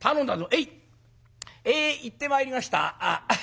「へい！え行ってまいりました。